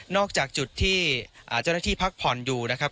จากจุดที่เจ้าหน้าที่พักผ่อนอยู่นะครับ